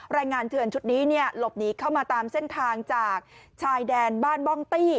แรงงานเถื่อนชุดนี้หลบหนีเข้ามาตามเส้นทางจากชายแดนบ้านบ้องตี้